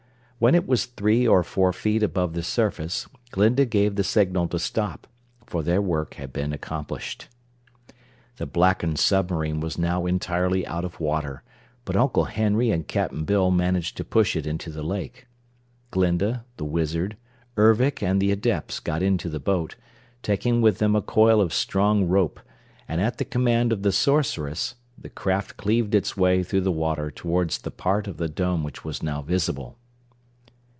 When it was three or four feet above the surface Glinda gave the signal to stop, for their work had been accomplished. The blackened submarine was now entirely out of water, but Uncle Henry and Cap'n Bill managed to push it into the lake. Glinda, the Wizard, Ervic and the Adepts got into the boat, taking with them a coil of strong rope, and at the command of the Sorceress the craft cleaved its way through the water toward the part of the Dome which was now visible.